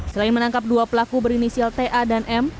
selain menangkap dua pelaku berinisial ta dan m